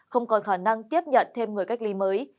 không còn khả năng tiếp nhận thêm người cách ly mới